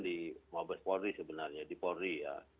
di mabes polri sebenarnya di polri ya